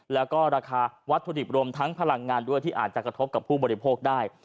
แล้วก็ราคาวัตถุดิบรวมทั้งพลังงานด้วยที่อาจจะกระทบกับผู้บริโภคได้